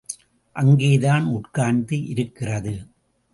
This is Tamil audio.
அங்கேதான் உட்கார்ந்து இருக்கிறது.